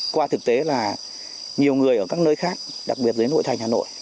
qua thực tế là nhiều người ở các nơi khác đặc biệt đến nội thành hà nội